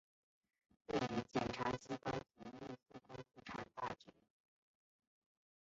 对于检察机关服务复工复产大局